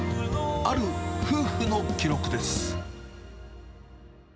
ある夫婦の記録です。